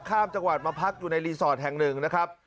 ข้ามจังหวัดมาพักอยู่ในรีสอร์ทแห่งหนึ่งนะครับ